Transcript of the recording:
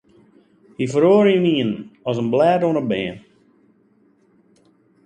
Hy feroare ynienen as in blêd oan 'e beam.